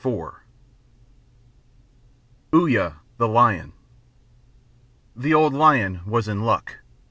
IV UYA THE LION The old lion was in luck.